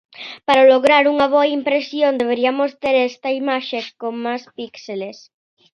Para lograr unha boa impresión deberiamos ter esta imaxe con máis píxeles.